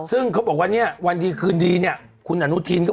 ซึ่งคุณอนุทินนก็บอกว่า